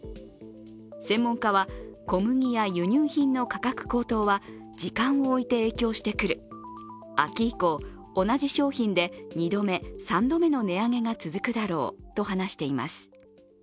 専門家は、小麦や輸入品の価格高騰は時間を置いて影響してくる、秋以降、同じ商品で２度目、３度目の値上げが続くだろうと話しています。